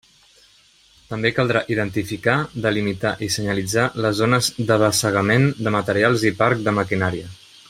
També caldrà identificar, delimitar i senyalitzar les zones d'abassegament de materials i parc de maquinària.